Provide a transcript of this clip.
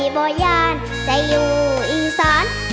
บ่อยานจะอยู่อีสาน